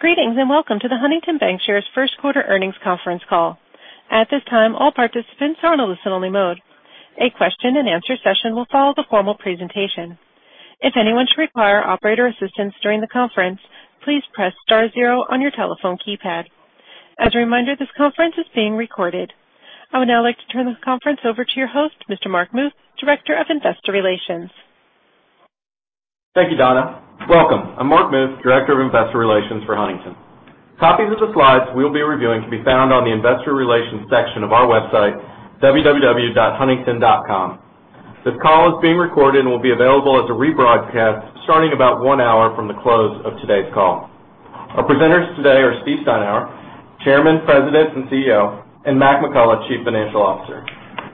Greetings, welcome to the Huntington Bancshares first quarter earnings conference call. At this time, all participants are on a listen-only mode. A question and answer session will follow the formal presentation. If anyone should require operator assistance during the conference, please press star zero on your telephone keypad. As a reminder, this conference is being recorded. I would now like to turn this conference over to your host, Mr. Mark Muth, Director of Investor Relations. Thank you, Donna. Welcome. I'm Mark Muth, Director of Investor Relations for Huntington. Copies of the slides we'll be reviewing can be found on the investor relations section of our website, www.huntington.com. This call is being recorded and will be available as a rebroadcast starting about one hour from the close of today's call. Our presenters today are Steve Steinour, Chairman, President, and CEO, and Mac McCullough, Chief Financial Officer.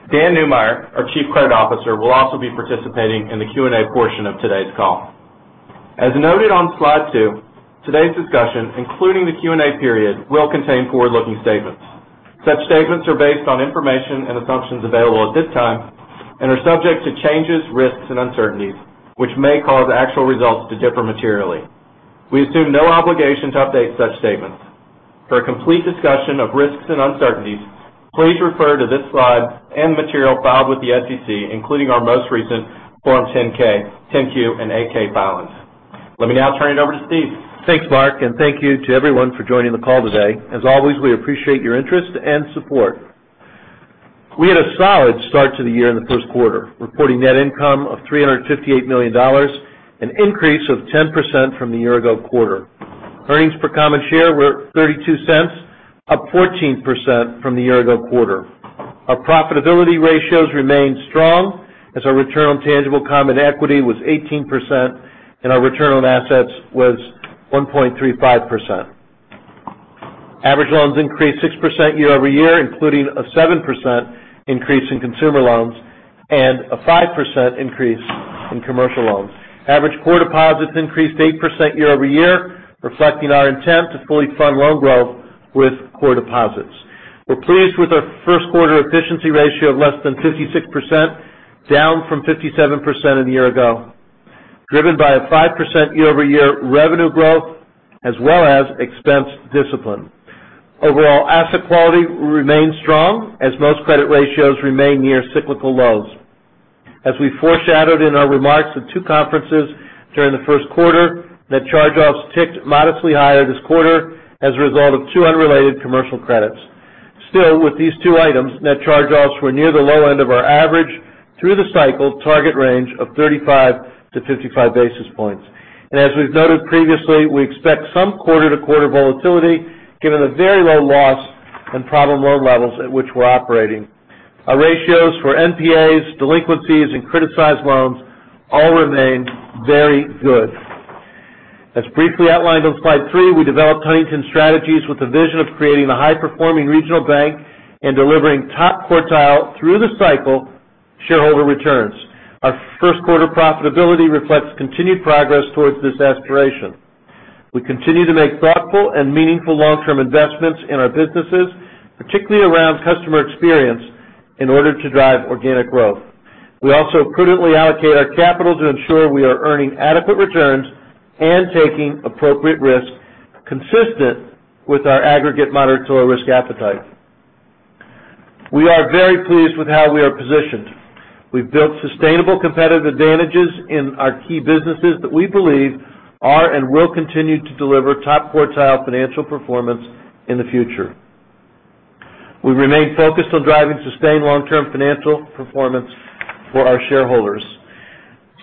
Dan Neumeyer, our Chief Credit Officer, will also be participating in the Q&A portion of today's call. As noted on slide two, today's discussion, including the Q&A period, will contain forward-looking statements. Such statements are based on information and assumptions available at this time and are subject to changes, risks, and uncertainties, which may cause actual results to differ materially. We assume no obligation to update such statements. For a complete discussion of risks and uncertainties, please refer to this slide and material filed with the SEC, including our most recent Form 10-K, 10-Q, and 8-K filings. Let me now turn it over to Steve. Thanks, Mark, thank you to everyone for joining the call today. As always, we appreciate your interest and support. We had a solid start to the year in the first quarter, reporting net income of $358 million, an increase of 10% from the year-ago quarter. Earnings per common share were $0.32, up 14% from the year-ago quarter. Our profitability ratios remained strong as our return on tangible common equity was 18% and our return on assets was 1.35%. Average loans increased 6% year-over-year, including a 7% increase in consumer loans and a 5% increase in commercial loans. Average core deposits increased 8% year-over-year, reflecting our intent to fully fund loan growth with core deposits. We're pleased with our first quarter efficiency ratio of less than 56%, down from 57% a year ago, driven by a 5% year-over-year revenue growth as well as expense discipline. Overall asset quality remains strong as most credit ratios remain near cyclical lows. As we foreshadowed in our remarks at 2 conferences during the first quarter, net charge-offs ticked modestly higher this quarter as a result of 2 unrelated commercial credits. Still, with these 2 items, net charge-offs were near the low end of our average through the cycle target range of 35 to 55 basis points. As we've noted previously, we expect some quarter-to-quarter volatility given the very low loss and problem loan levels at which we're operating. Our ratios for NPAs, delinquencies, and criticized loans all remain very good. As briefly outlined on slide three, we developed Huntington strategies with the vision of creating a high-performing regional bank and delivering top quartile through the cycle shareholder returns. Our first quarter profitability reflects continued progress towards this aspiration. We continue to make thoughtful and meaningful long-term investments in our businesses, particularly around customer experience, in order to drive organic growth. We also prudently allocate our capital to ensure we are earning adequate returns and taking appropriate risks consistent with our aggregate moderate to low risk appetite. We are very pleased with how we are positioned. We've built sustainable competitive advantages in our key businesses that we believe are and will continue to deliver top quartile financial performance in the future. We remain focused on driving sustained long-term financial performance for our shareholders.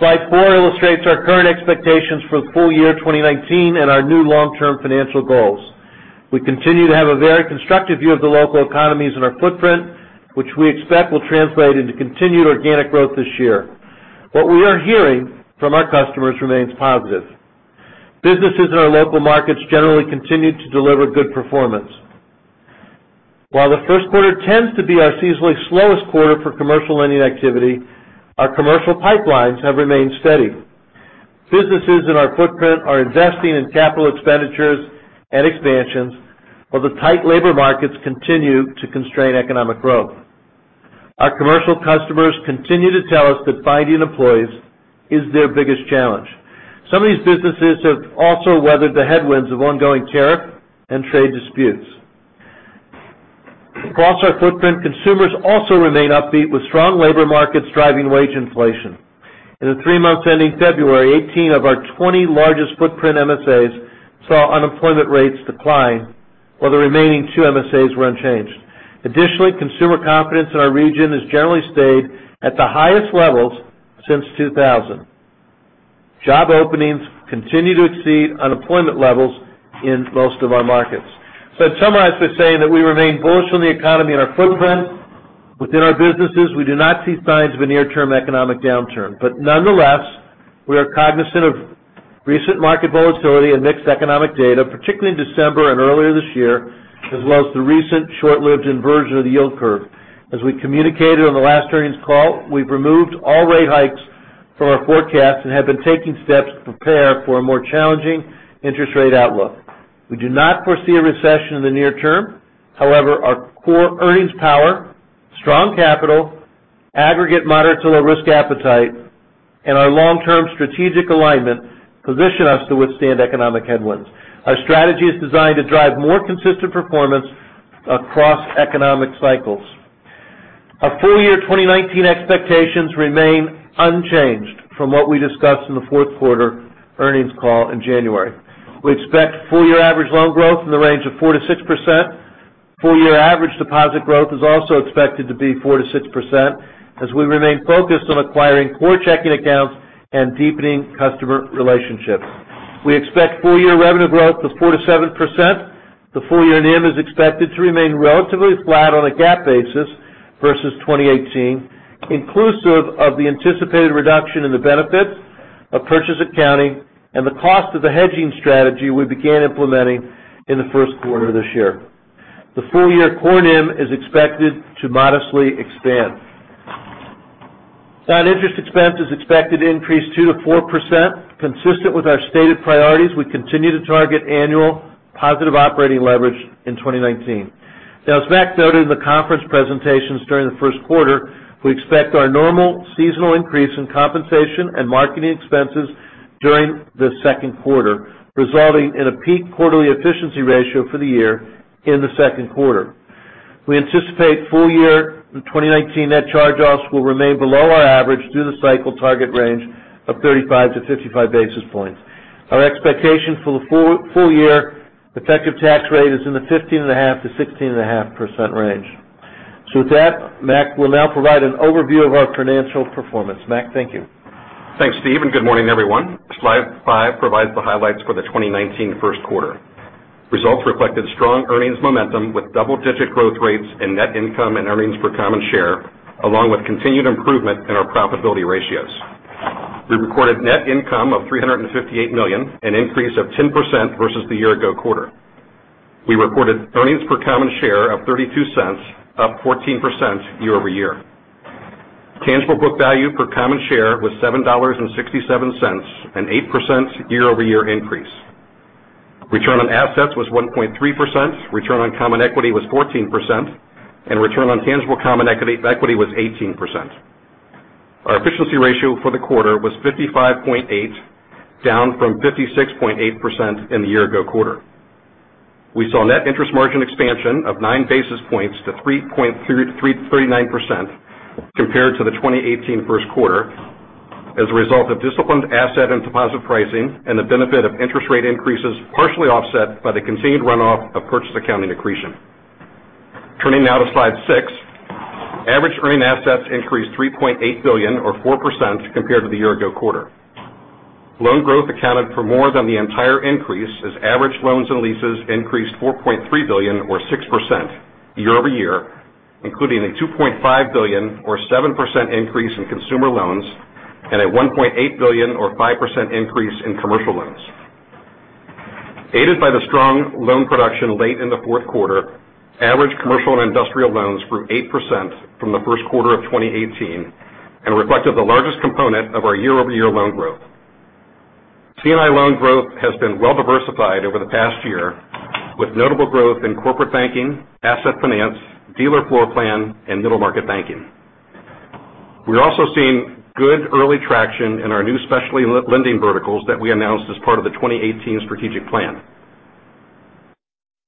Slide four illustrates our current expectations for the full year 2019 and our new long-term financial goals. We continue to have a very constructive view of the local economies in our footprint, which we expect will translate into continued organic growth this year. What we are hearing from our customers remains positive. Businesses in our local markets generally continue to deliver good performance. While the first quarter tends to be our seasonally slowest quarter for commercial lending activity, our commercial pipelines have remained steady. Businesses in our footprint are investing in capital expenditures and expansions, while the tight labor markets continue to constrain economic growth. Our commercial customers continue to tell us that finding employees is their biggest challenge. Some of these businesses have also weathered the headwinds of ongoing tariff and trade disputes. Across our footprint, consumers also remain upbeat with strong labor markets driving wage inflation. In the 3 months ending February, 18 of our 20 largest footprint MSAs saw unemployment rates decline, while the remaining two MSAs were unchanged. Additionally, consumer confidence in our region has generally stayed at the highest levels since 2000. Job openings continue to exceed unemployment levels in most of our markets. To summarize by saying that we remain bullish on the economy in our footprint. Within our businesses, we do not see signs of a near-term economic downturn. Nonetheless, we are cognizant of recent market volatility and mixed economic data, particularly in December and earlier this year, as well as the recent short-lived inversion of the yield curve. As we communicated on the last earnings call, we've removed all rate hikes from our forecast and have been taking steps to prepare for a more challenging interest rate outlook. We do not foresee a recession in the near term. However, our core earnings power, strong capital, aggregate moderate to low risk appetite, and our long-term strategic alignment position us to withstand economic headwinds. Our strategy is designed to drive more consistent performance across economic cycles. Our full-year 2019 expectations remain unchanged from what we discussed in the fourth quarter earnings call in January. We expect full-year average loan growth in the range of 4%-6%. Full-year average deposit growth is also expected to be 4%-6%, as we remain focused on acquiring core checking accounts and deepening customer relationships. We expect full-year revenue growth of 4%-7%. The full-year NIM is expected to remain relatively flat on a GAAP basis versus 2018, inclusive of the anticipated reduction in the benefit of purchase accounting and the cost of the hedging strategy we began implementing in the first quarter of this year. The full-year core NIM is expected to modestly expand. Noninterest expense is expected to increase 2%-4%, consistent with our stated priorities. We continue to target annual positive operating leverage in 2019. As Mac noted in the conference presentations during the first quarter, we expect our normal seasonal increase in compensation and marketing expenses during the second quarter, resulting in a peak quarterly efficiency ratio for the year in the second quarter. We anticipate full-year 2019 net charge-offs will remain below our average through the cycle target range of 35-55 basis points. Our expectation for the full year effective tax rate is in the 15.5%-16.5% range. With that, Mac will now provide an overview of our financial performance. Mac, thank you. Thanks, Steve, and good morning, everyone. Slide five provides the highlights for the 2019 first quarter. Results reflected strong earnings momentum with double-digit growth rates and net income and earnings per common share, along with continued improvement in our profitability ratios. We recorded net income of $358 million, an increase of 10% versus the year ago quarter. We reported earnings per common share of $0.32, up 14% year-over-year. Tangible book value per common share was $7.67, an 8% year-over-year increase. Return on assets was 1.3%, return on common equity was 14%, and return on tangible common equity was 18%. Our efficiency ratio for the quarter was 55.8%, down from 56.8% in the year ago quarter. We saw net interest margin expansion of nine basis points to 3.39% compared to the 2018 first quarter as a result of disciplined asset and deposit pricing and the benefit of interest rate increases, partially offset by the continued runoff of purchase accounting accretion. Turning to slide six. Average earning assets increased $3.8 billion or 4% compared to the year ago quarter. Loan growth accounted for more than the entire increase as average loans and leases increased $4.3 billion or 6% year-over-year, including a $2.5 billion or 7% increase in consumer loans and a $1.8 billion or 5% increase in commercial loans. Aided by the strong loan production late in the fourth quarter, average commercial and industrial loans grew 8% from the first quarter of 2018 and reflected the largest component of our year-over-year loan growth. C&I loan growth has been well diversified over the past year, with notable growth in corporate banking, asset finance, dealer floorplan, and middle market banking. We are also seeing good early traction in our new specialty lending verticals that we announced as part of the 2018 strategic plan.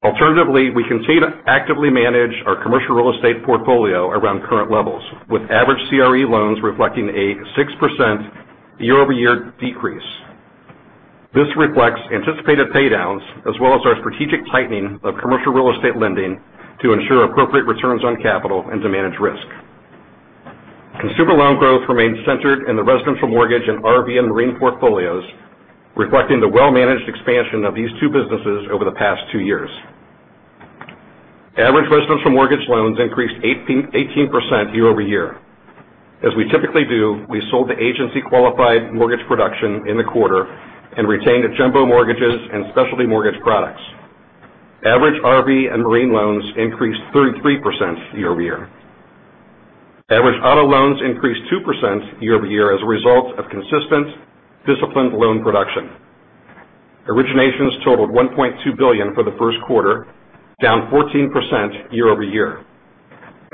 Alternatively, we continue to actively manage our commercial real estate portfolio around current levels, with average CRE loans reflecting a 6% year-over-year decrease. This reflects anticipated paydowns as well as our strategic tightening of commercial real estate lending to ensure appropriate returns on capital and to manage risk. Consumer loan growth remains centered in the residential mortgage and RV and marine portfolios, reflecting the well-managed expansion of these two businesses over the past two years. Average residential mortgage loans increased 18% year-over-year. As we typically do, we sold the agency-qualified mortgage production in the quarter and retained the jumbo mortgages and specialty mortgage products. Average RV and marine loans increased 33% year-over-year. Average auto loans increased 2% year-over-year as a result of consistent disciplined loan production. Originations totaled $1.2 billion for the first quarter, down 14% year-over-year.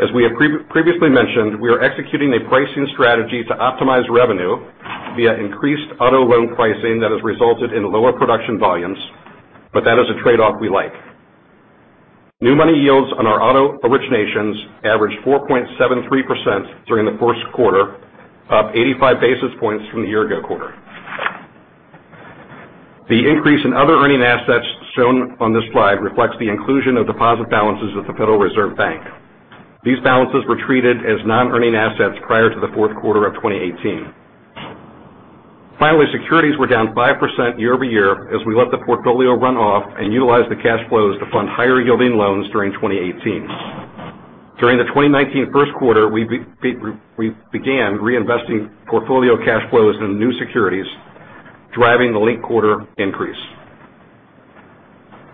As we have previously mentioned, we are executing a pricing strategy to optimize revenue via increased auto loan pricing that has resulted in lower production volumes. That is a trade-off we like. New money yields on our auto originations averaged 4.73% during the first quarter, up 85 basis points from the year ago quarter. The increase in other earning assets shown on this slide reflects the inclusion of deposit balances with the Federal Reserve Bank. These balances were treated as non-earning assets prior to the fourth quarter of 2018. Finally, securities were down 5% year-over-year as we let the portfolio run off and utilized the cash flows to fund higher yielding loans during 2018. During the 2019 first quarter, we began reinvesting portfolio cash flows into new securities, driving the linked quarter increase.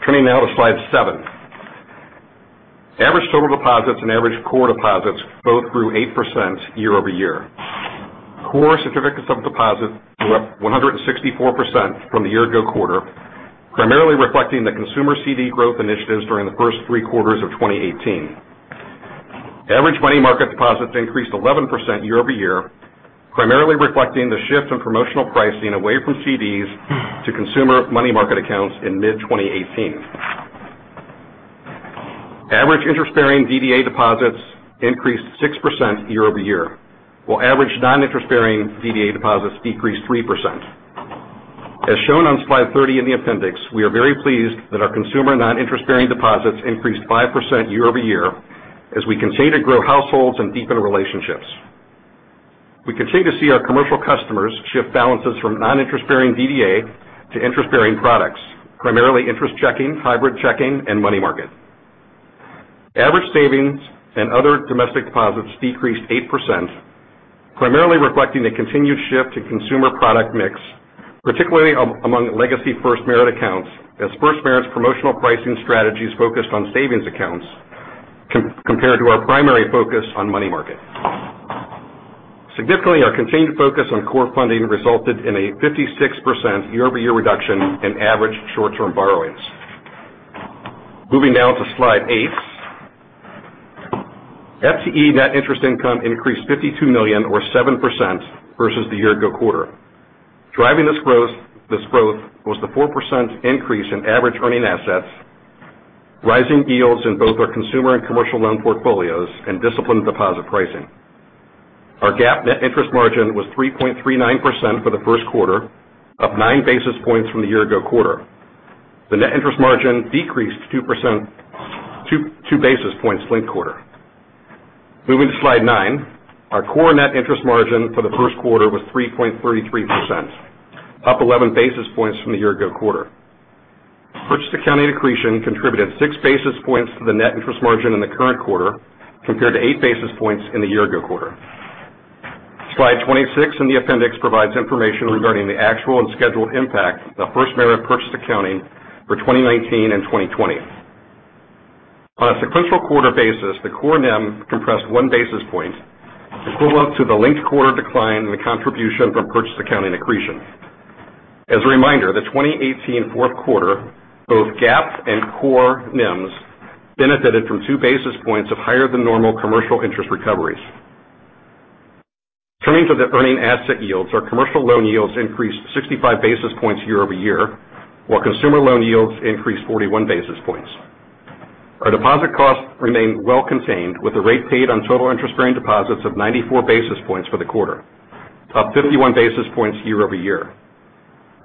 Turning now to slide seven. Average total deposits and average core deposits both grew 8% year-over-year. Core certificates of deposit were up 164% from the year ago quarter, primarily reflecting the consumer CD growth initiatives during the first three quarters of 2018. Average money market deposits increased 11% year-over-year, primarily reflecting the shift in promotional pricing away from CDs to consumer money market accounts in mid-2018. Average interest-bearing DDA deposits increased 6% year-over-year, while average non-interest bearing DDA deposits decreased 3%. As shown on slide 30 in the appendix, we are very pleased that our consumer non-interest bearing deposits increased 5% year-over-year as we continue to grow households and deepen relationships. We continue to see our commercial customers shift balances from non-interest bearing DDA to interest-bearing products, primarily interest checking, hybrid checking, and money market. Average savings and other domestic deposits decreased 8%, primarily reflecting the continued shift to consumer product mix, particularly among legacy FirstMerit accounts, as FirstMerit's promotional pricing strategies focused on savings accounts compared to our primary focus on money market. Significantly, our continued focus on core funding resulted in a 56% year-over-year reduction in average short-term borrowings. Moving now to slide eight. FTE net interest income increased $52 million or 7% versus the year ago quarter. Driving this growth was the 4% increase in average earning assets, rising yields in both our consumer and commercial loan portfolios, and disciplined deposit pricing. Our GAAP net interest margin was 3.39% for the first quarter, up nine basis points from the year-ago quarter. The net interest margin decreased two basis points linked-quarter. Moving to slide nine. Our core net interest margin for the first quarter was 3.33%, up 11 basis points from the year-ago quarter. Purchase accounting accretion contributed six basis points to the net interest margin in the current quarter, compared to eight basis points in the year-ago quarter. Slide 26 in the appendix provides information regarding the actual and scheduled impact of FirstMerit purchase accounting for 2019 and 2020. On a sequential quarter basis, the core NIM compressed one basis point, equivalent to the linked-quarter decline in the contribution from purchase accounting accretion. As a reminder, the 2018 fourth quarter, both GAAP and core NIMs benefited from two basis points of higher than normal commercial interest recoveries. Turning to the earning asset yields, our commercial loan yields increased 65 basis points year-over-year, while consumer loan yields increased 41 basis points. Our deposit costs remained well contained with the rate paid on total interest-bearing deposits of 94 basis points for the quarter. Up 51 basis points year-over-year.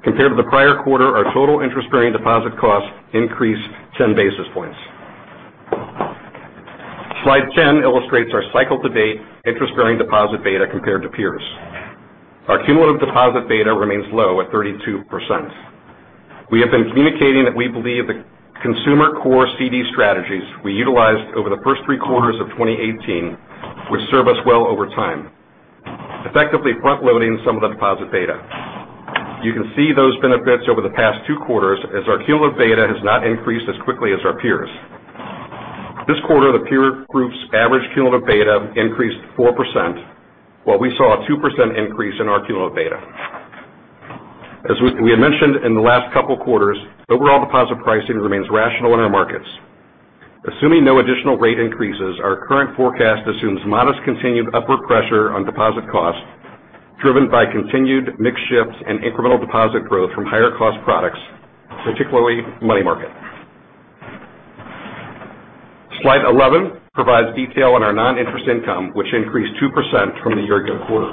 Compared to the prior quarter, our total interest-bearing deposit costs increased ten basis points. Slide ten illustrates our cycle-to-date interest-bearing deposit beta compared to peers. Our cumulative deposit beta remains low at 32%. We have been communicating that we believe the consumer core CD strategies we utilized over the first three quarters of 2018 would serve us well over time, effectively front-loading some of the deposit beta. You can see those benefits over the past two quarters as our cumulative beta has not increased as quickly as our peers. This quarter, the peer group's average cumulative beta increased 4%, while we saw a 2% increase in our cumulative beta. As we had mentioned in the last couple quarters, overall deposit pricing remains rational in our markets. Assuming no additional rate increases, our current forecast assumes modest continued upward pressure on deposit costs, driven by continued mix shifts and incremental deposit growth from higher cost products, particularly money market. Slide 11 provides detail on our non-interest income, which increased 2% from the year-ago quarter.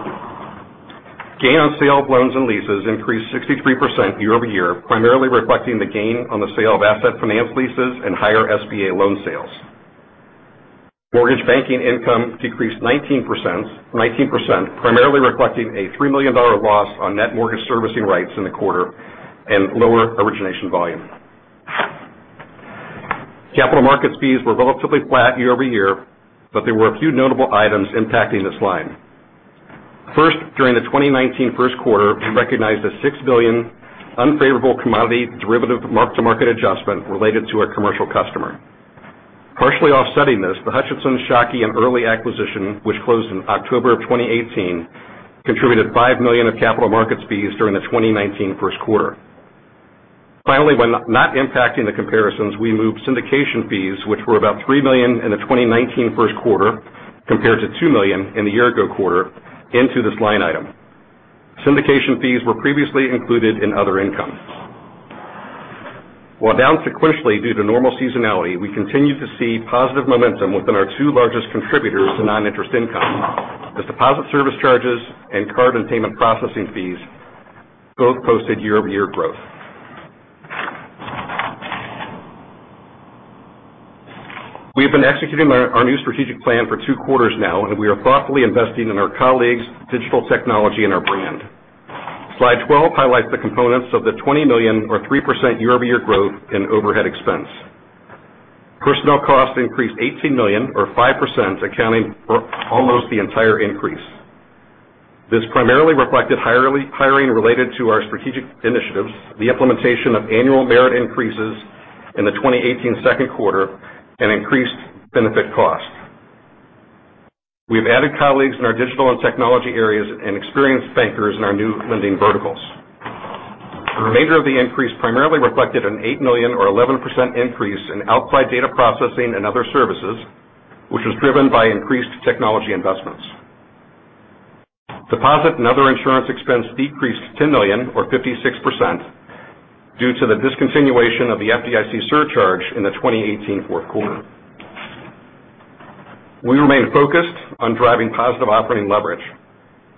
Gain on sale of loans and leases increased 63% year-over-year, primarily reflecting the gain on the sale of asset finance leases and higher SBA loan sales. Mortgage banking income decreased 19%, primarily reflecting a $3 million loss on net mortgage servicing rights in the quarter and lower origination volume. capital markets fees were relatively flat year-over-year, but there were a few notable items impacting this line. During the 2019 first quarter, we recognized a $6 billion unfavorable commodity derivative mark-to-market adjustment related to a commercial customer. Partially offsetting this, the Hutchinson, Shockey, Erley acquisition, which closed in October of 2018, contributed $5 million of capital markets fees during the 2019 first quarter. Finally, while not impacting the comparisons, we moved syndication fees, which were about $3 million in the 2019 first quarter compared to $2 million in the year ago quarter into this line item. Syndication fees were previously included in other income. While down sequentially due to normal seasonality, we continue to see positive momentum within our two largest contributors to non-interest income. The deposit service charges and card and payment processing fees both posted year-over-year growth. We have been executing our new strategic plan for two quarters now, and we are thoughtfully investing in our colleagues, digital technology, and our brand. Slide 12 highlights the components of the $20 million or 3% year-over-year growth in overhead expense. Personnel costs increased $18 million or 5%, accounting for almost the entire increase. This primarily reflected hiring related to our strategic initiatives, the implementation of annual merit increases in the 2018 second quarter and increased benefit cost. We've added colleagues in our digital and technology areas and experienced bankers in our new lending verticals. The remainder of the increase primarily reflected an 8 million or 11% increase in outside data processing and other services, which was driven by increased technology investments. Deposit and other insurance expense decreased 10 million or 56% due to the discontinuation of the FDIC surcharge in the 2018 fourth quarter. We remain focused on driving positive operating leverage.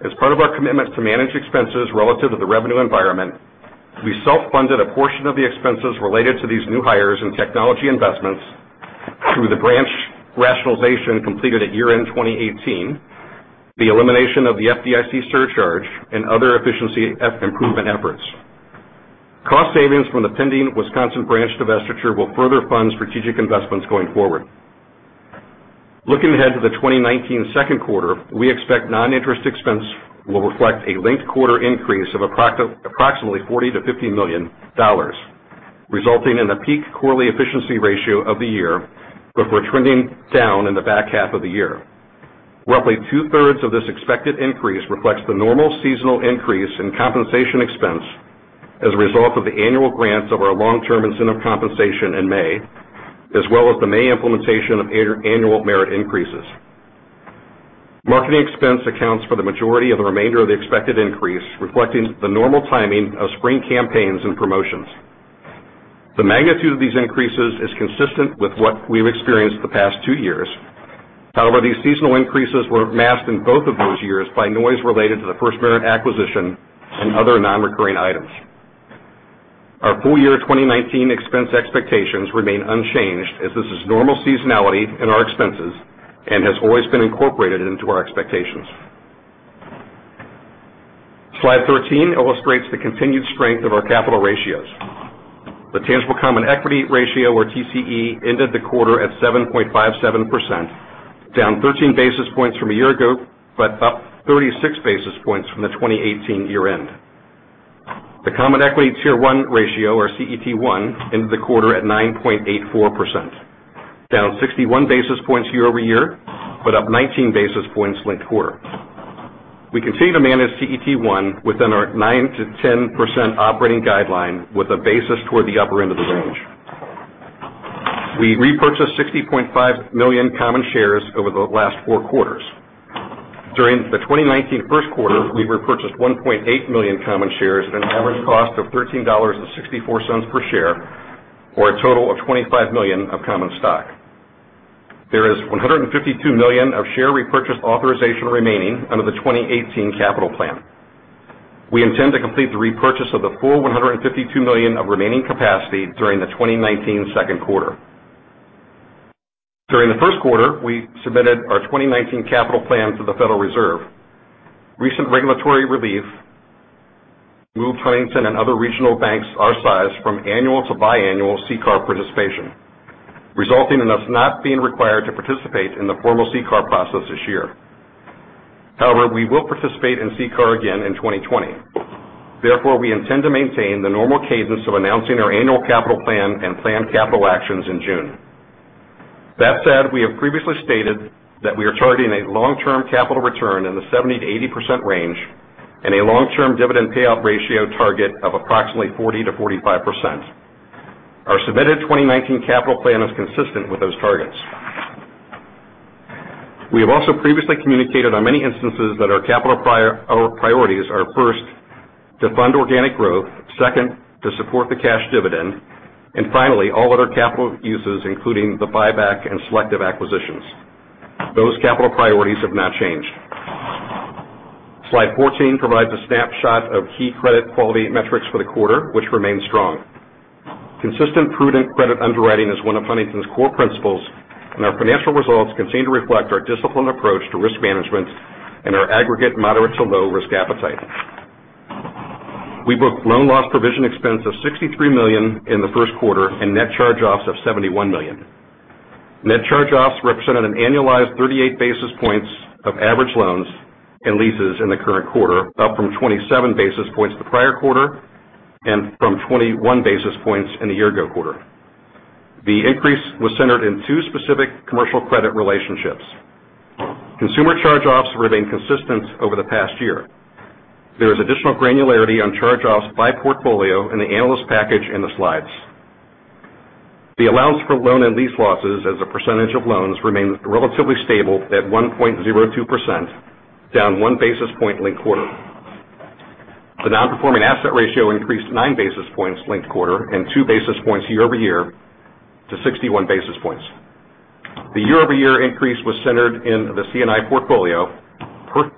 As part of our commitment to manage expenses relative to the revenue environment, we self-funded a portion of the expenses related to these new hires in technology investments through the branch rationalization completed at year-end 2018, the elimination of the FDIC surcharge, and other efficiency improvement efforts. Cost savings from the pending Wisconsin branch divestiture will further fund strategic investments going forward. Looking ahead to the 2019 second quarter, we expect non-interest expense will reflect a linked quarter increase of approximately $40 million-$50 million, resulting in a peak quarterly efficiency ratio of the year, but we're trending down in the back half of the year. Roughly two-thirds of this expected increase reflects the normal seasonal increase in compensation expense as a result of the annual grants of our long-term incentive compensation in May, as well as the May implementation of annual merit increases. Marketing expense accounts for the majority of the remainder of the expected increase, reflecting the normal timing of spring campaigns and promotions. The magnitude of these increases is consistent with what we've experienced the past two years. However, these seasonal increases were masked in both of those years by noise related to the FirstMerit acquisition and other non-recurring items. Our full year 2019 expense expectations remain unchanged, as this is normal seasonality in our expenses and has always been incorporated into our expectations. Slide 13 illustrates the continued strength of our capital ratios. The tangible common equity ratio, or TCE, ended the quarter at 7.57%, down 13 basis points from a year ago, but up 36 basis points from the 2018 year-end. The common equity Tier 1 ratio, or CET1, ended the quarter at 9.84%, down 61 basis points year-over-year, but up 19 basis points linked quarter. We continue to manage CET1 within our 9% to 10% operating guideline with a basis toward the upper end of the range. We repurchased 60.5 million common shares over the last four quarters. During the 2019 first quarter, we repurchased 1.8 million common shares at an average cost of $13.64 per share, or a total of $25 million of common stock. There is $152 million of share repurchase authorization remaining under the 2018 capital plan. We intend to complete the repurchase of the full $152 million of remaining capacity during the 2019 second quarter. During the first quarter, we submitted our 2019 capital plan to the Federal Reserve. Recent regulatory relief moved Huntington and other regional banks our size from annual to biannual CCAR participation, resulting in us not being required to participate in the formal CCAR process this year. However, we will participate in CCAR again in 2020. We intend to maintain the normal cadence of announcing our annual capital plan and planned capital actions in June. That said, we have previously stated that we are targeting a long-term capital return in the 70%-80% range and a long-term dividend payout ratio target of approximately 40%-45%. Our submitted 2019 capital plan is consistent with those targets. We have also previously communicated on many instances that our capital priorities are, first, to fund organic growth, second, to support the cash dividend, and finally, all other capital uses, including the buyback and selective acquisitions. Those capital priorities have not changed. Slide 14 provides a snapshot of key credit quality metrics for the quarter, which remain strong. Consistent, prudent credit underwriting is one of Huntington's core principles, and our financial results continue to reflect our disciplined approach to risk management and our aggregate moderate to low risk appetite. We booked loan loss provision expense of $63 million in the first quarter and net charge-offs of $71 million. Net charge-offs represented an annualized 38 basis points of average loans and leases in the current quarter, up from 27 basis points the prior quarter and from 21 basis points in the year ago quarter. The increase was centered in two specific commercial credit relationships. Consumer charge-offs remain consistent over the past year. There is additional granularity on charge-offs by portfolio in the analyst package in the slides. The allowance for loan and lease losses as a percentage of loans remains relatively stable at 1.02%, down one basis point linked quarter. The non-performing asset ratio increased nine basis points linked quarter and two basis points year-over-year to 61 basis points. The year-over-year increase was centered in the C&I portfolio,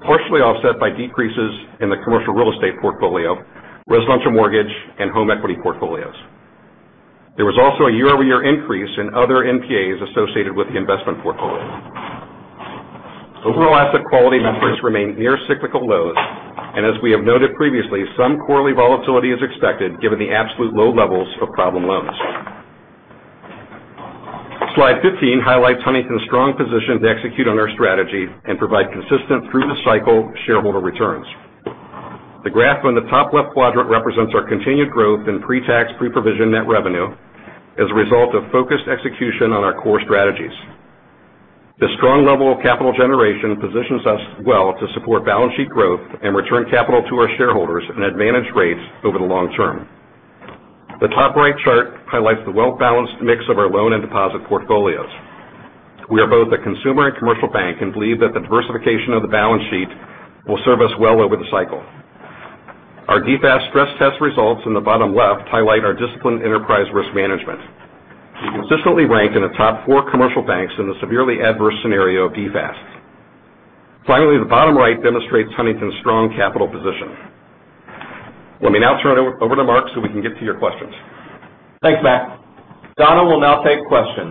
partially offset by decreases in the commercial real estate portfolio, residential mortgage, and home equity portfolios. There was also a year-over-year increase in other NPAs associated with the investment portfolio. Overall asset quality metrics remain near cyclical lows, and as we have noted previously, some quarterly volatility is expected given the absolute low levels of problem loans. Slide 15 highlights Huntington's strong position to execute on our strategy and provide consistent through the cycle shareholder returns. The graph on the top left quadrant represents our continued growth in pre-tax, pre-provision net revenue as a result of focused execution on our core strategies. This strong level of capital generation positions us well to support balance sheet growth and return capital to our shareholders at advantage rates over the long term. The top right chart highlights the well-balanced mix of our loan and deposit portfolios. We are both a consumer and commercial bank, and believe that the diversification of the balance sheet will serve us well over the cycle. Our DFAST stress test results in the bottom left highlight our disciplined enterprise risk management. We consistently rank in the top four commercial banks in the severely adverse scenario of DFAST. Finally, the bottom right demonstrates Huntington's strong capital position. Let me now turn it over to Mark so we can get to your questions. Thanks, Mac. Donna will now take questions.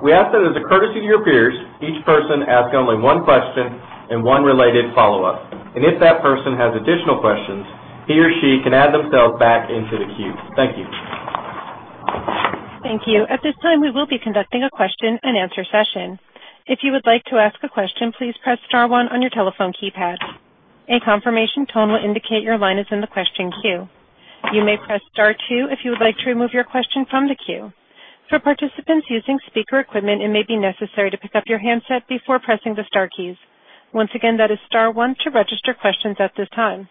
We ask that as a courtesy to your peers, each person ask only one question and one related follow-up. If that person has additional questions, he or she can add themselves back into the queue. Thank you. Thank you. At this time, we will be conducting a question and answer session. If you would like to ask a question, please press star one on your telephone keypad. A confirmation tone will indicate your line is in the question queue. You may press star two if you would like to remove your question from the queue. For participants using speaker equipment, it may be necessary to pick up your handset before pressing the star keys. Once again, that is star one to register questions at this time.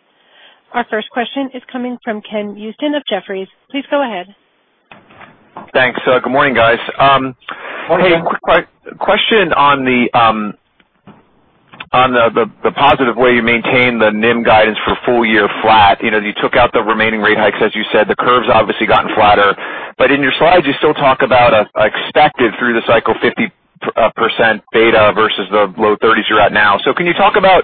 Our first question is coming from Ken Usdin of Jefferies. Please go ahead. Thanks. Good morning, guys. Morning. Hey, quick question on the positive way you maintain the NIM guidance for full year flat. You took out the remaining rate hikes, as you said. The curve's obviously gotten flatter. In your slides, you still talk about expected through the cycle 50% beta versus the low 30s you're at now. Can you talk about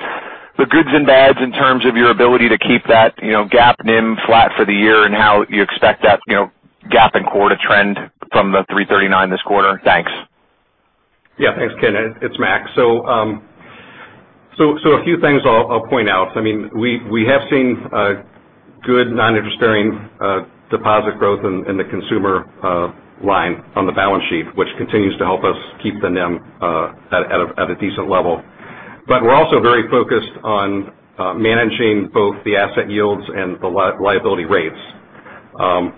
the goods and bads in terms of your ability to keep that gap NIM flat for the year, and how you expect that gap in core to trend from the 339 this quarter? Thanks. Yeah. Thanks, Ken. It's Mac. A few things I'll point out. We have seen good non-interest-bearing deposit growth in the consumer line on the balance sheet, which continues to help us keep the NIM at a decent level. We're also very focused on managing both the asset yields and the liability rates.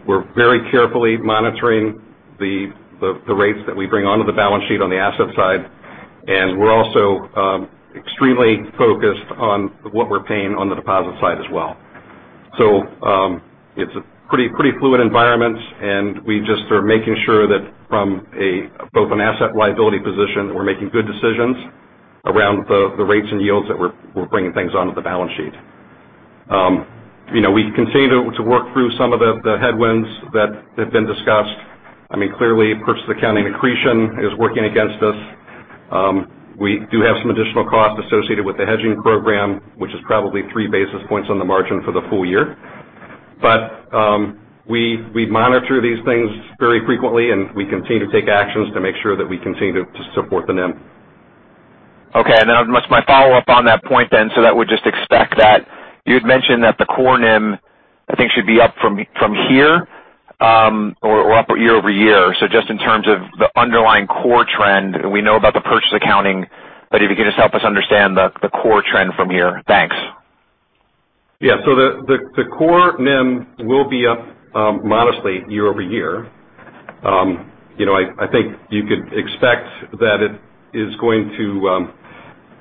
We're very carefully monitoring the rates that we bring onto the balance sheet on the asset side, and we're also extremely focused on what we're paying on the deposit side as well. It's a pretty fluid environment, and we just are making sure that from both an asset and liability position, that we're making good decisions around the rates and yields that we're bringing things onto the balance sheet. We continue to work through some of the headwinds that have been discussed. Clearly, purchase accounting accretion is working against us. We do have some additional costs associated with the hedging program, which is probably three basis points on the margin for the full year. We monitor these things very frequently, and we continue to take actions to make sure that we continue to support the NIM. Okay. My follow-up on that point then, that would just expect that you had mentioned that the core NIM, I think, should be up from here or up year-over-year. Just in terms of the underlying core trend, we know about the purchase accounting, if you could just help us understand the core trend from here. Thanks. Yeah. The core NIM will be up modestly year-over-year. I think you could expect that it is going to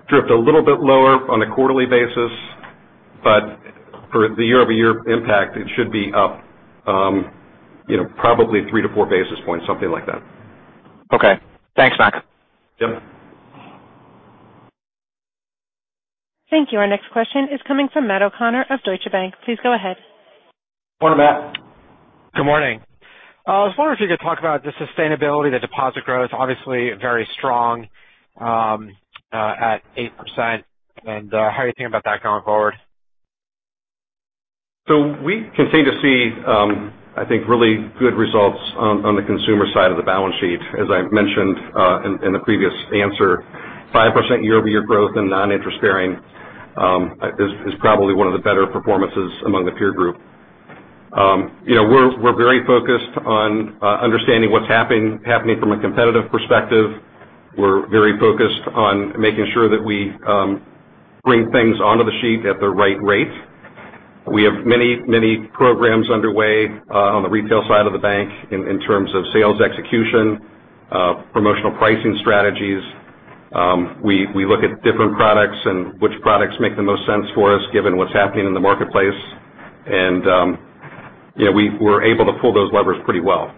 drift a little bit lower on a quarterly basis, but for the year-over-year impact, it should be up probably three to four basis points, something like that. Okay. Thanks, Mac. Yep. Thank you. Our next question is coming from Matthew O'Connor of Deutsche Bank. Please go ahead. Morning, Matt. Good morning. I was wondering if you could talk about the sustainability. The deposit growth, obviously very strong at 8%, how are you thinking about that going forward? We continue to see, I think, really good results on the consumer side of the balance sheet. As I mentioned in the previous answer, 5% year-over-year growth in non-interest-bearing is probably one of the better performances among the peer group. We're very focused on understanding what's happening from a competitive perspective. We're very focused on making sure that we bring things onto the sheet at the right rate. We have many programs underway on the retail side of the bank in terms of sales execution, promotional pricing strategies. We look at different products and which products make the most sense for us given what's happening in the marketplace. We're able to pull those levers pretty well.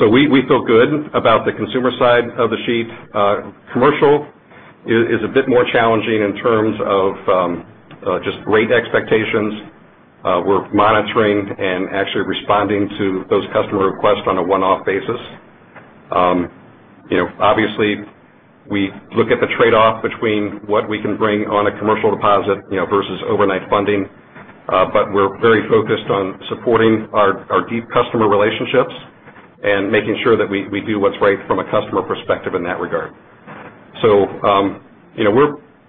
We feel good about the consumer side of the sheet. Commercial is a bit more challenging in terms of just rate expectations. We're monitoring and actually responding to those customer requests on a one-off basis. Obviously, we look at the trade-off between what we can bring on a commercial deposit versus overnight funding. We're very focused on supporting our deep customer relationships and making sure that we do what's right from a customer perspective in that regard.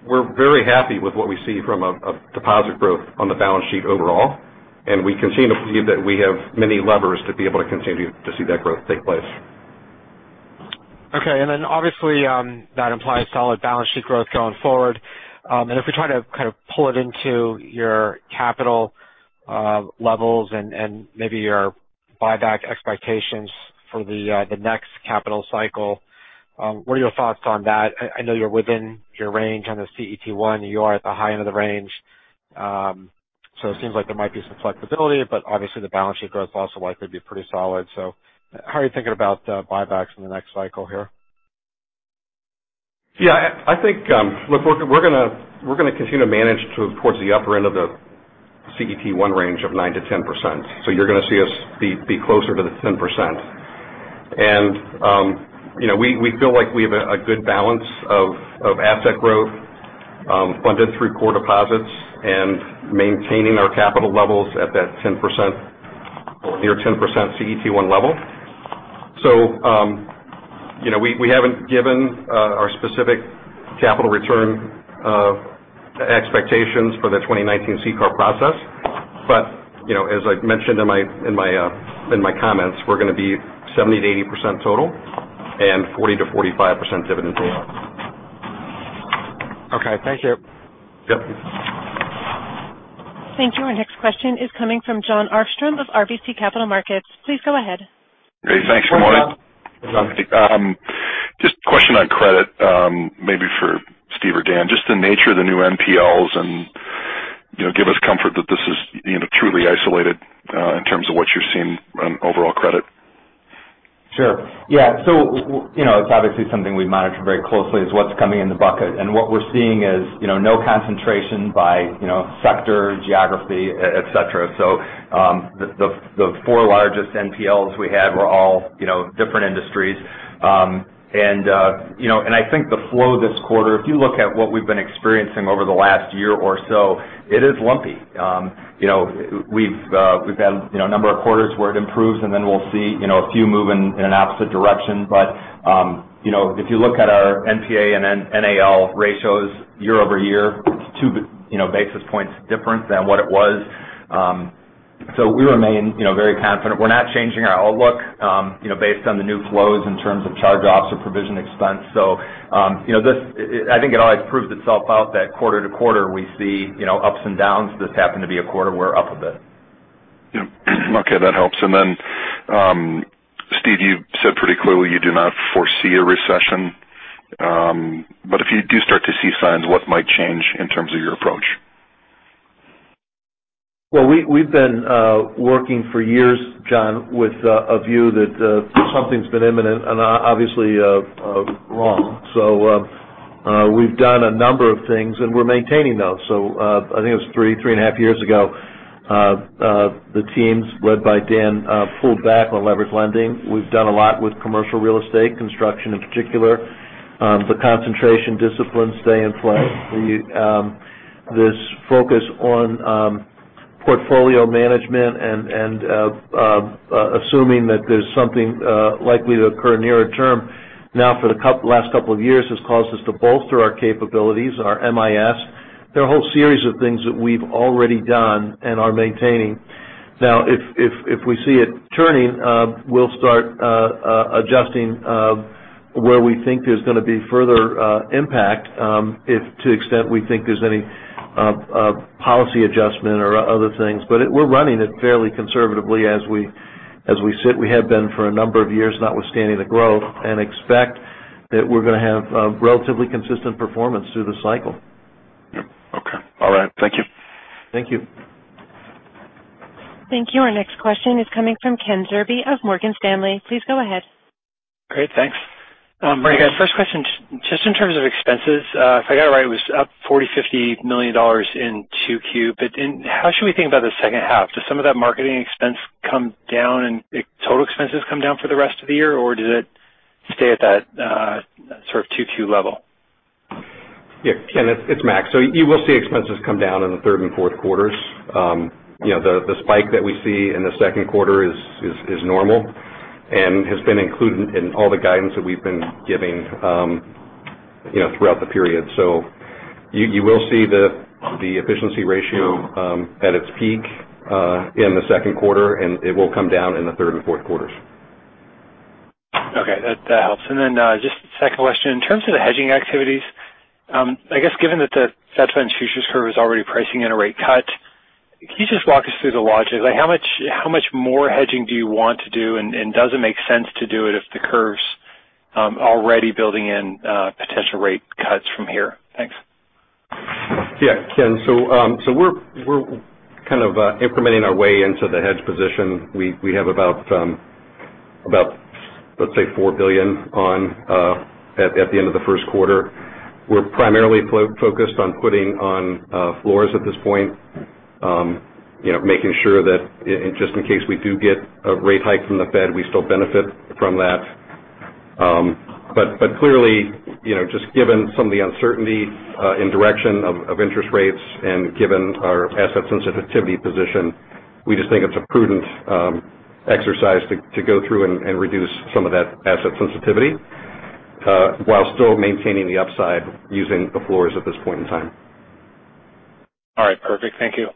We're very happy with what we see from a deposit growth on the balance sheet overall, we continue to believe that we have many levers to be able to continue to see that growth take place. Okay. Obviously, that implies solid balance sheet growth going forward. If we try to pull it into your capital levels and maybe your buyback expectations for the next capital cycle, what are your thoughts on that? I know you're within your range on the CET1. You are at the high end of the range. It seems like there might be some flexibility, obviously the balance sheet growth is also likely to be pretty solid. How are you thinking about buybacks in the next cycle here? Yeah. Look, we're going to continue to manage towards the upper end of the CET1 range of 9%-10%. You're going to see us be closer to the 10%. We feel like we have a good balance of asset growth funded through core deposits and maintaining our capital levels at that near 10% CET1 level. We haven't given our specific capital return expectations for the 2019 CCAR process. As I mentioned in my comments, we're going to be 70%-80% total and 40%-45% dividend payout. Okay. Thank you. Yep. Thank you. Our next question is coming from Jon Arfstrom of RBC Capital Markets. Please go ahead. Great. Thanks, [good morning]. Hi, Jon. A question on credit, maybe for Steve or Dan. The nature of the new NPLs and give us comfort that this is truly isolated in terms of what you're seeing on overall credit. Sure. Yeah. It's obviously something we monitor very closely, is what's coming in the bucket. What we're seeing is no concentration by sector, geography, et cetera. The four largest NPLs we had were all different industries. I think the flow this quarter, if you look at what we've been experiencing over the last year or so, it is lumpy. We've had a number of quarters where it improves, and then we'll see a few move in an opposite direction. If you look at our NPA and NAL ratios year-over-year, it's two basis points different than what it was. We remain very confident. We're not changing our outlook based on the new flows in terms of charge-offs or provision expense. I think it always proves itself out that quarter-to-quarter we see ups and downs. This happened to be a quarter we're up a bit. Yep. Okay, that helps. Then, Steph, you said pretty clearly you do not foresee a recession. If you do start to see signs, what might change in terms of your approach? Well, we've been working for years, Jon, with a view that something's been imminent and obviously wrong. We've done a number of things, and we're maintaining those. I think it was three and a half years ago the teams led by Dan pulled back on leverage lending. We've done a lot with commercial real estate construction in particular. The concentration disciplines stay in play. This focus on portfolio management and assuming that there's something likely to occur nearer term now for the last couple of years has caused us to bolster our capabilities and our MIS. There are a whole series of things that we've already done and are maintaining. Now, if we see it turning, we'll start adjusting where we think there's going to be further impact to the extent we think there's any policy adjustment or other things. We're running it fairly conservatively as we sit. We have been for a number of years, notwithstanding the growth, and expect that we're going to have relatively consistent performance through the cycle. Yep. Okay. All right. Thank you. Thank you. Thank you. Our next question is coming from Ken Zerbe of Morgan Stanley. Please go ahead. Great, thanks. Morning, guys. First question, just in terms of expenses. If I got it right, it was up $40 million-$50 million in 2Q. How should we think about the second half? Does some of that marketing expense come down and total expenses come down for the rest of the year, or does it stay at that 2Q level? Yeah. Ken, it's Mac. You will see expenses come down in the third and fourth quarters. The spike that we see in the second quarter is normal and has been included in all the guidance that we've been giving throughout the period. You will see the efficiency ratio at its peak in the second quarter, and it will come down in the third and fourth quarters. Okay. That helps. Just the second question. In terms of the hedging activities, I guess given that the Fed fund futures curve is already pricing in a rate cut, can you just walk us through the logic? How much more hedging do you want to do, and does it make sense to do it if the curve's already building in potential rate cuts from here? Thanks. Yeah. Ken. We're kind of implementing our way into the hedge position. We have about, let's say, $4 billion at the end of the first quarter. We're primarily focused on putting on floors at this point. Making sure that just in case we do get a rate hike from the Fed, we still benefit from that. Clearly, just given some of the uncertainty in direction of interest rates and given our asset sensitivity position, we just think it's a prudent Exercise to go through and reduce some of that asset sensitivity, while still maintaining the upside using the floors at this point in time. All right, perfect. Thank you.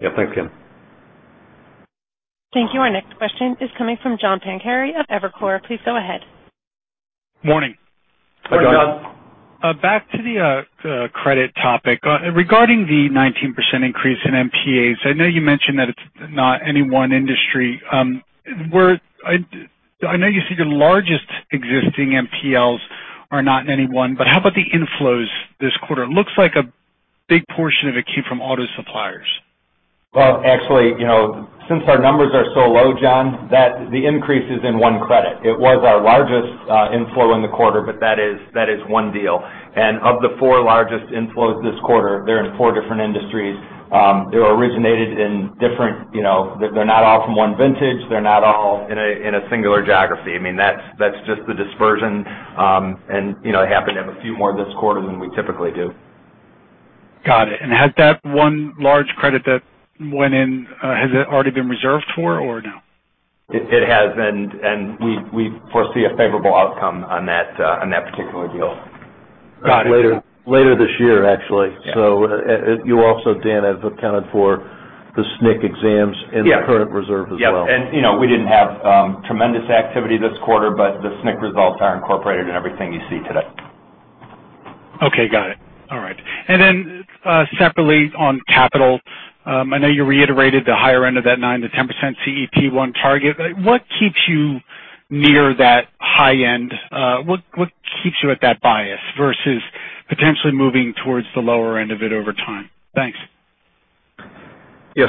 Yeah, thanks, Ken. Thank you. Our next question is coming from John Pancari of Evercore. Please go ahead. Morning. Good morning. Back to the credit topic. Regarding the 19% increase in NPAs, I know you mentioned that it's not any one industry. I know you said your largest existing NPLs are not in any one, but how about the inflows this quarter? It looks like a big portion of it came from auto suppliers. Well, actually, since our numbers are so low, John, that the increase is in one credit. It was our largest inflow in the quarter, but that is one deal. Of the four largest inflows this quarter, they're in four different industries. They're not all from one vintage. They're not all in a singular geography. That's just the dispersion. Happened to have a few more this quarter than we typically do. Got it. Has that one large credit that went in, has it already been reserved for or no? It has, we foresee a favorable outcome on that particular deal. Got it. Later this year, actually. Yeah. You also, Dan, have accounted for the SNC exams Yeah in the current reserve as well. Yes. We didn't have tremendous activity this quarter, but the SNC results are incorporated in everything you see today. Okay, got it. All right. Separately on capital, I know you reiterated the higher end of that 9%-10% CET1 target. What keeps you near that high end? What keeps you at that bias versus potentially moving towards the lower end of it over time? Thanks. Yeah.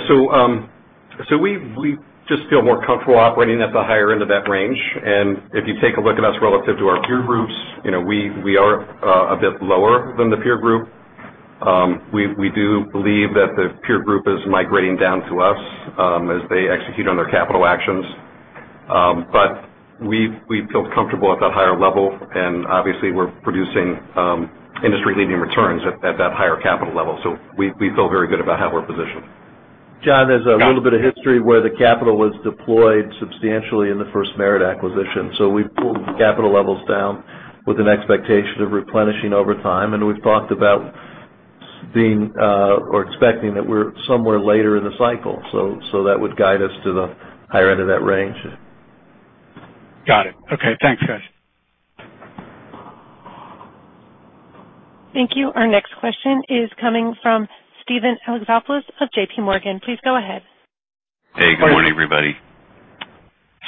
We just feel more comfortable operating at the higher end of that range. If you take a look at us relative to our peer groups, we are a bit lower than the peer group. We do believe that the peer group is migrating down to us as they execute on their capital actions. We feel comfortable at that higher level, and obviously, we're producing industry-leading returns at that higher capital level. We feel very good about how we're positioned. John, there's a little bit of history where the capital was deployed substantially in the FirstMerit acquisition. We pulled capital levels down with an expectation of replenishing over time, and we've talked about expecting that we're somewhere later in the cycle. That would guide us to the higher end of that range. Got it. Okay, thanks, guys. Thank you. Our next question is coming from Steven Alexopoulos of JPMorgan. Please go ahead. Hey, good morning, everybody.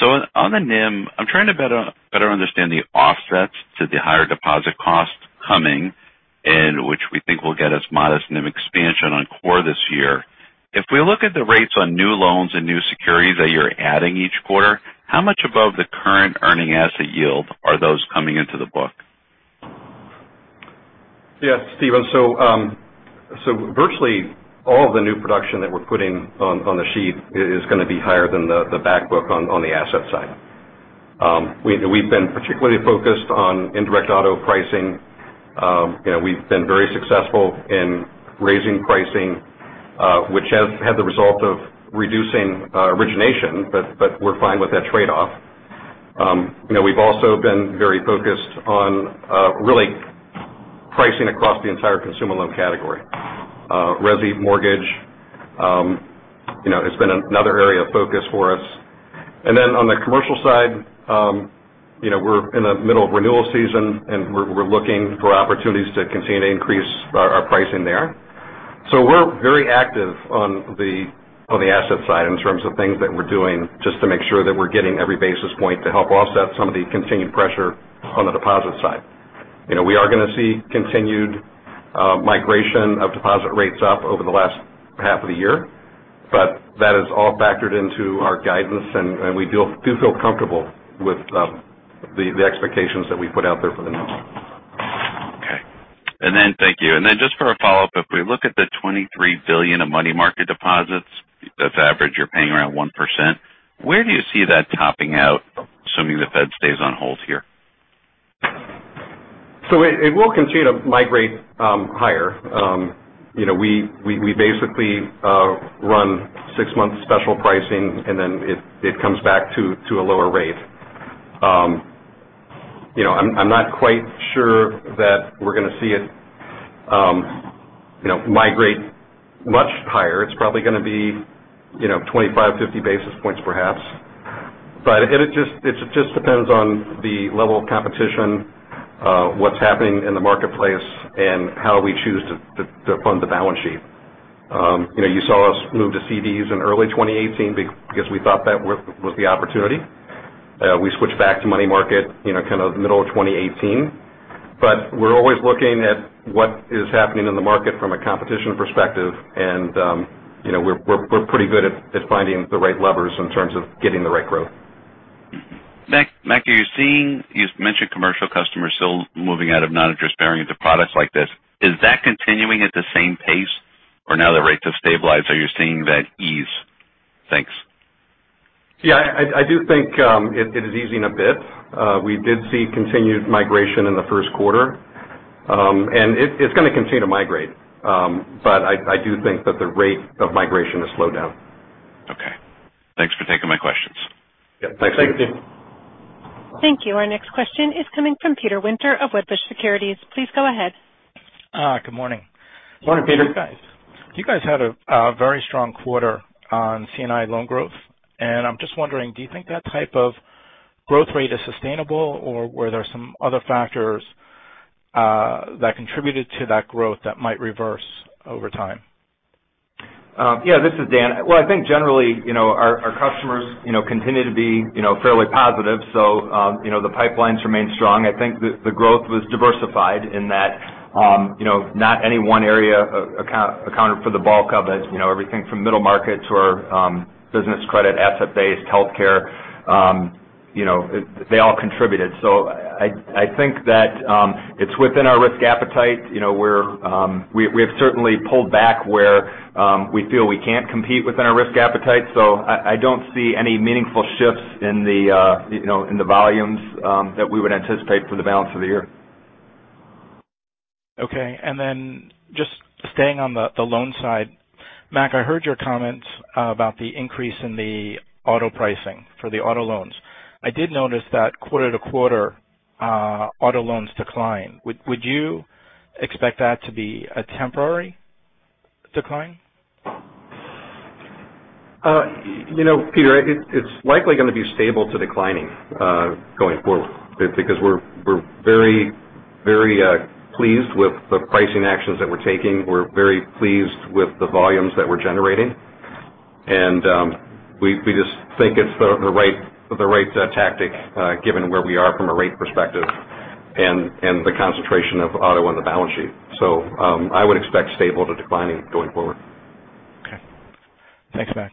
On the NIM, I'm trying to better understand the offsets to the higher deposit costs coming, and which we think will get us modest NIM expansion on core this year. If we look at the rates on new loans and new securities that you're adding each quarter, how much above the current earning asset yield are those coming into the book? Yes, Steven. Virtually all of the new production that we're putting on the sheet is going to be higher than the back book on the asset side. We've been particularly focused on indirect auto pricing. We've been very successful in raising pricing, which has had the result of reducing origination, but we're fine with that trade-off. We've also been very focused on really pricing across the entire consumer loan category. Resi mortgage has been another area of focus for us. Then on the commercial side, we're in the middle of renewal season, and we're looking for opportunities to continue to increase our pricing there. We're very active on the asset side in terms of things that we're doing just to make sure that we're getting every basis point to help offset some of the continued pressure on the deposit side. We are going to see continued migration of deposit rates up over the last half of the year. That is all factored into our guidance. We do feel comfortable with the expectations that we put out there for the NIM. Okay. Thank you. Just for a follow-up, if we look at the $23 billion of money market deposits, that is average, you are paying around 1%. Where do you see that topping out, assuming the Fed stays on hold here? It will continue to migrate higher. We basically run six months special pricing. It comes back to a lower rate. I am not quite sure that we are going to see it migrate much higher. It is probably going to be 25, 50 basis points perhaps. It just depends on the level of competition, what is happening in the marketplace, and how we choose to fund the balance sheet. You saw us move to CDs in early 2018 because we thought that was the opportunity. We switched back to money market kind of middle of 2018. We are always looking at what is happening in the market from a competition perspective, and we are pretty good at finding the right levers in terms of getting the right growth. Mac, are you seeing? You have mentioned commercial customers still moving out of non-interest bearing into products like this. Is that continuing at the same pace? Now that rates have stabilized, are you seeing that ease? Thanks. Yeah, I do think it is easing a bit. We did see continued migration in the first quarter. It's going to continue to migrate. I do think that the rate of migration has slowed down. Okay. Thanks for taking my questions. Yeah, thanks. Thank you. Thank you. Our next question is coming from Peter Winter of Wedbush Securities. Please go ahead. Good morning. Morning, Peter. You guys had a very strong quarter on C&I loan growth. I'm just wondering, do you think that type of growth rate is sustainable, or were there some other factors that contributed to that growth that might reverse over time? Yeah. This is Dan. Well, I think generally, our customers continue to be fairly positive. The pipelines remain strong. I think the growth was diversified in that not any one area accounted for the bulk of it. Everything from middle market to our business credit, asset-based healthcare. They all contributed. I think that it's within our risk appetite. We have certainly pulled back where we feel we can't compete within our risk appetite. I don't see any meaningful shifts in the volumes that we would anticipate for the balance of the year. Okay. Just staying on the loan side. Mac, I heard your comments about the increase in the auto pricing for the auto loans. I did notice that quarter-to-quarter auto loans decline. Would you expect that to be a temporary decline? Peter, it's likely going to be stable to declining, going forward. We're very pleased with the pricing actions that we're taking. We're very pleased with the volumes that we're generating. We just think it's the right tactics given where we are from a rate perspective and the concentration of auto on the balance sheet. I would expect stable to declining going forward. Okay. Thanks, Mac.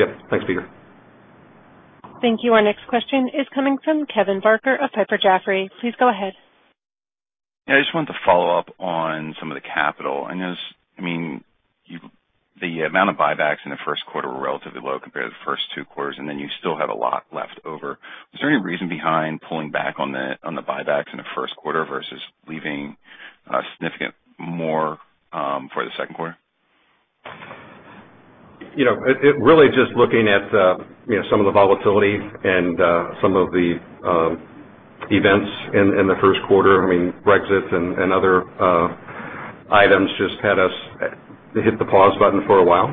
Yeah. Thanks, Peter. Thank you. Our next question is coming from Kevin Barker of Piper Jaffray. Please go ahead. Yeah. I just wanted to follow up on some of the capital. I notice the amount of buybacks in the first quarter were relatively low compared to the first two quarters, and then you still have a lot left over. Was there any reason behind pulling back on the buybacks in the first quarter versus leaving a significant more for the second quarter? Looking at some of the volatility and some of the events in the first quarter. Brexit and other items just had us hit the pause button for a while.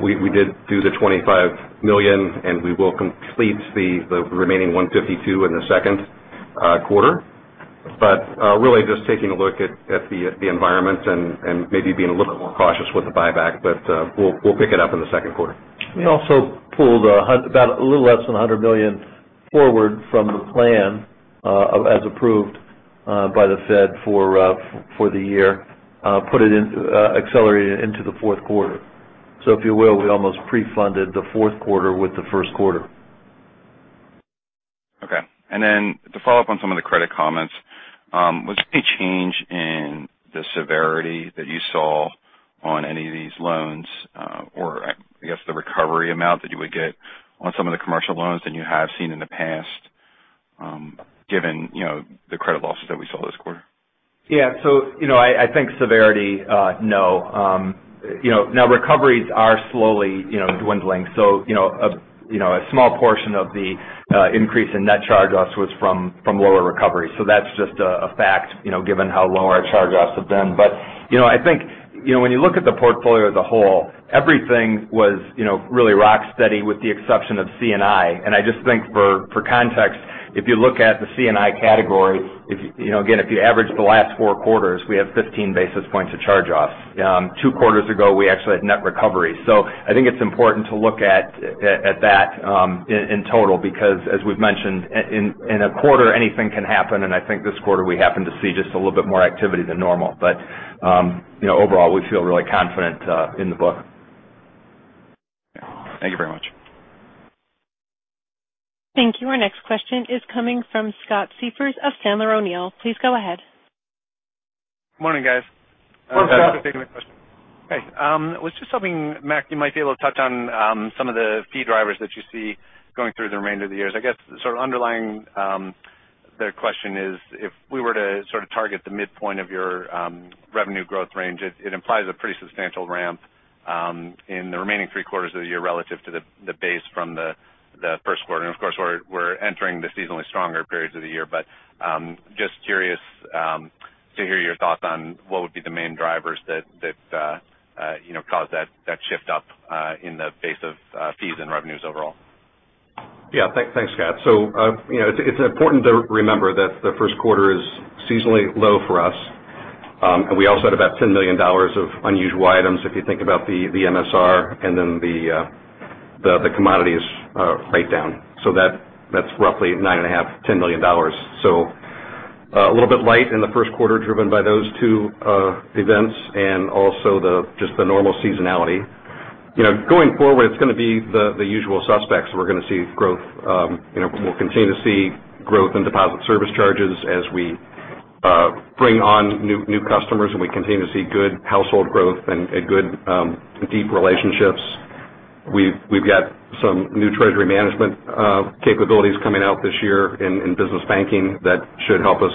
We did do the $25 million, and we will complete the remaining $152 in the second quarter. Taking a look at the environment and maybe being a little bit more cautious with the buyback. We'll pick it up in the second quarter. We also pulled a little less than $100 million forward from the plan as approved by the Fed for the year. Accelerated it into the fourth quarter. If you will, we almost pre-funded the fourth quarter with the first quarter. Okay. To follow up on some of the credit comments, was there any change in the severity that you saw on any of these loans? I guess the recovery amount that you would get on some of the commercial loans than you have seen in the past given the credit losses that we saw this quarter? Yeah. I think severity, no. Now recoveries are slowly dwindling. A small portion of the increase in net charge-offs was from lower recovery. That's just a fact given how low our charge-offs have been. I think when you look at the portfolio as a whole, everything was really rock steady with the exception of C&I. I just think for context, if you look at the C&I category, again, if you average the last four quarters, we have 15 basis points of charge-offs. Two quarters ago, we actually had net recovery. I think it's important to look at that in total because as we've mentioned, in a quarter, anything can happen, and I think this quarter we happen to see just a little bit more activity than normal. Overall, we feel really confident in the book. Thank you very much. Thank you. Our next question is coming from Scott Siefers of Sandler O'Neill. Please go ahead. Good morning, guys. Morning, Scott. Thanks for taking the question. Okay. I was just hoping, Mac, you might be able to touch on some of the fee drivers that you see going through the remainder of the years. I guess sort of underlying the question is if we were to sort of target the midpoint of your revenue growth range, it implies a pretty substantial ramp in the remaining three quarters of the year relative to the base from the first quarter. Of course, we're entering the seasonally stronger periods of the year. Just curious to hear your thoughts on what would be the main drivers that caused that shift up in the base of fees and revenues overall. Yeah. Thanks, Scott. It's important to remember that the first quarter is seasonally low for us. We also had about $10 million of unusual items if you think about the MSR and then the commodities write down. That's roughly $9.5, $10 million. A little bit light in the first quarter driven by those two events and also just the normal seasonality. Going forward, it's going to be the usual suspects. We'll continue to see growth in deposit service charges as we bring on new customers, and we continue to see good household growth and good deep relationships. We've got some new treasury management capabilities coming out this year in business banking that should help us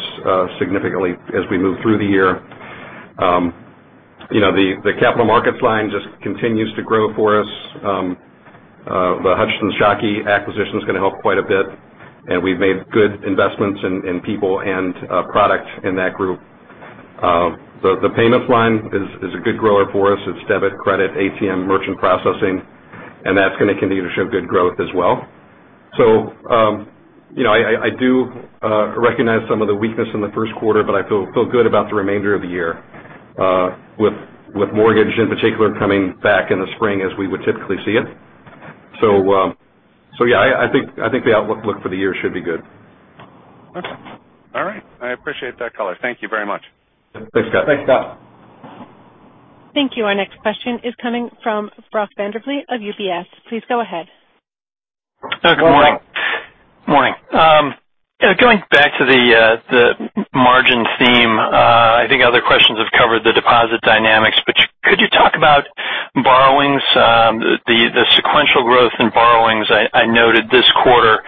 significantly as we move through the year. The capital markets line just continues to grow for us. The Hutchinson Shockey acquisition is going to help quite a bit, and we've made good investments in people and product in that group. The payments line is a good grower for us. It's debit, credit, ATM, merchant processing, and that's going to continue to show good growth as well. I do recognize some of the weakness in the first quarter, but I feel good about the remainder of the year, with mortgage in particular coming back in the spring, as we would typically see it. Yeah, I think the outlook for the year should be good. Okay. All right. I appreciate that color. Thank you very much. Thanks, Scott. Thanks, Scott. Thank you. Our next question is coming from Brock Vandervliet of UBS. Please go ahead. Good morning. Morning. Morning. Going back to the margin theme, I think other questions have covered the deposit dynamics. Could you talk about borrowings? The sequential growth in borrowings, I noted this quarter,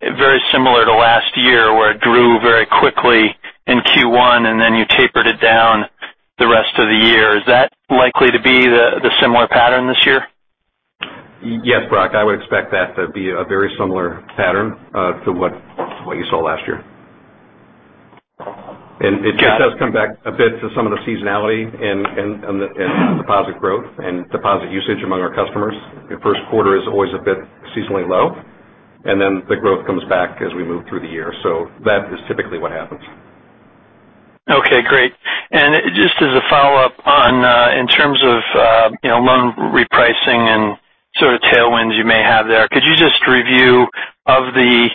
very similar to last year, where it grew very quickly in Q1, then you tapered it down the rest of the year. Is that likely to be the similar pattern this year? Yes, Brock, I would expect that to be a very similar pattern to what you saw last year. It just does come back a bit to some of the seasonality in deposit growth and deposit usage among our customers. The first quarter is always a bit seasonally low, then the growth comes back as we move through the year. That is typically what happens. Okay, great. Just as a follow-up on in terms of loan repricing and sort of tailwinds you may have there, could you just review of the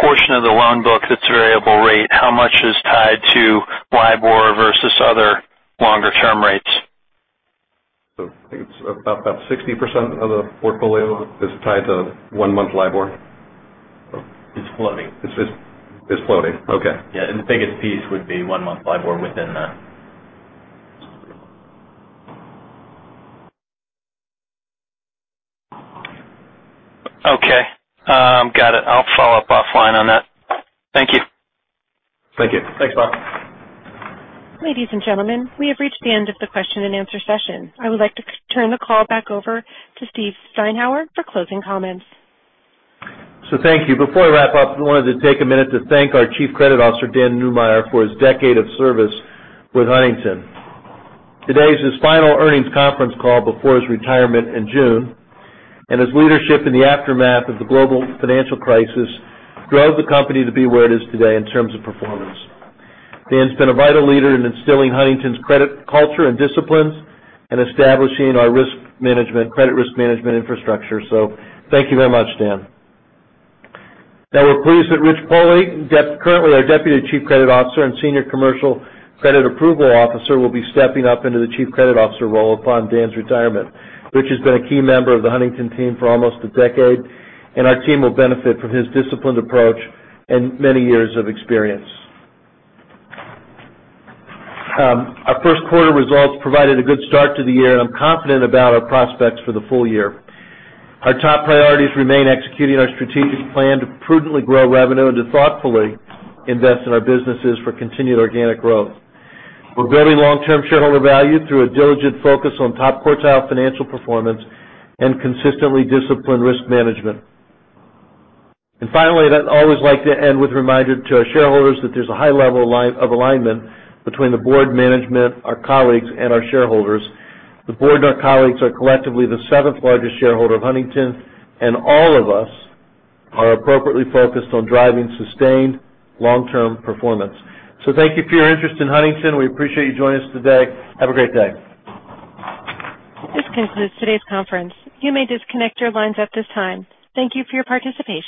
portion of the loan book that's variable rate, how much is tied to LIBOR versus other longer-term rates? I think it's about 60% of the portfolio is tied to one-month LIBOR. It's floating. It's floating. Okay. Yeah. The biggest piece would be one-month LIBOR within that. Okay. Got it. I'll follow up offline on that. Thank you. Thank you. Thanks, Brock. Ladies and gentlemen, we have reached the end of the question and answer session. I would like to turn the call back over to Steve Steinour for closing comments. Thank you. Before I wrap up, I wanted to take a minute to thank our Chief Credit Officer, Dan Neumeyer, for his decade of service with Huntington. Today is his final earnings conference call before his retirement in June, and his leadership in the aftermath of the global financial crisis drove the company to be where it is today in terms of performance. Dan's been a vital leader in instilling Huntington's credit culture and disciplines and establishing our risk management, credit risk management infrastructure. Thank you very much, Dan. We're pleased that Rich Pohly, currently our Deputy Chief Credit Officer and Senior Commercial Credit Approval Officer, will be stepping up into the Chief Credit Officer role upon Dan's retirement. Rich has been a key member of the Huntington team for almost a decade, and our team will benefit from his disciplined approach and many years of experience. Our first quarter results provided a good start to the year. I'm confident about our prospects for the full year. Our top priorities remain executing our strategic plan to prudently grow revenue and to thoughtfully invest in our businesses for continued organic growth. We're building long-term shareholder value through a diligent focus on top-quartile financial performance and consistently disciplined risk management. Finally, I'd always like to end with a reminder to our shareholders that there's a high level of alignment between the board management, our colleagues, and our shareholders. The board and our colleagues are collectively the seventh largest shareholder of Huntington, and all of us are appropriately focused on driving sustained long-term performance. Thank you for your interest in Huntington. We appreciate you joining us today. Have a great day. This concludes today's conference. You may disconnect your lines at this time. Thank you for your participation.